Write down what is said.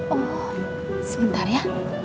oh sebentar ya